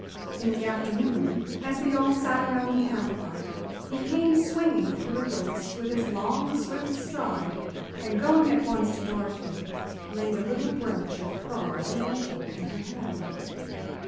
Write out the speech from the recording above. In the afternoon, as we all sat around the camp fire, he came swinging through the woods with his long, swift stride, and going at once to Dorothy laid a little brooch of pearl and opal in her hand.